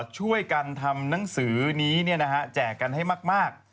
ช่วยกันทำหนังสือนี้แจกกันให้มาก